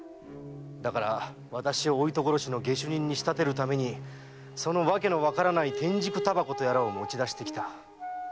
だから私をお糸殺しの下手人に仕立てるためにその訳のわからない天竺煙草とやらを持ちだしてきた。